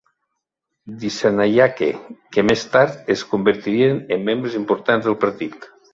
Dissanayake, que més tard es convertirien en membres importants del partit.